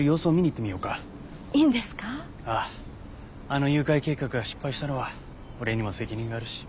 あの誘拐計画が失敗したのは俺にも責任があるし。